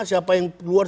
siapa yang keluar